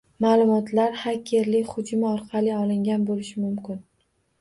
Ma’lumotlar xakerlik hujumi orqali olingan bo‘lishi mumkin